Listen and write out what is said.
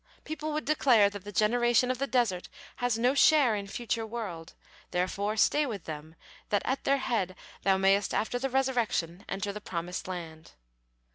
People would declare that the generation of the desert has no share in future world, therefore stay with them, that at their head thou mayest after the Resurrection enter the promised land."